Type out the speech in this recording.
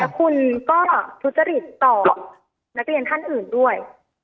คุณก็ทุจริตต่อนักเรียนท่านอื่นด้วย